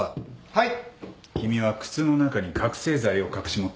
はい。